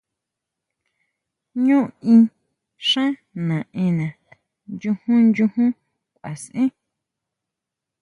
Ñú í xán naʼena, nyujún, nyujún kuaʼsʼen.